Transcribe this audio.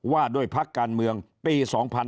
ว่าด้วยพักการเมืองปี๒๕๕๙